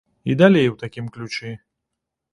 І далей у такім ключы.